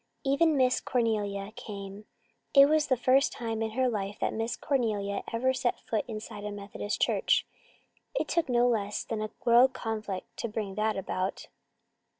Even Miss Cornelia came and it was the first time in her life that Miss Cornelia had ever set foot inside a Methodist Church. It took no less than a world conflict to bring that about.